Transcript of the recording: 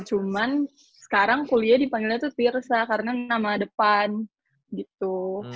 cuman sekarang kuliah dipanggilnya itu tirsa karena nama depan gitu